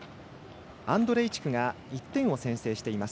アンドレイチクが１点を先制しています。